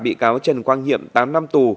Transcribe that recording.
bị cáo trần quang hiệm tám năm tù